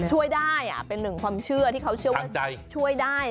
ช่วยได้เป็นหนึ่งความเชื่อที่เขาเชื่อว่าช่วยได้